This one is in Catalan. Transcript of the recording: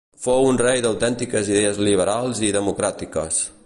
Fou un rei d'autèntiques idees liberals i democràtiques.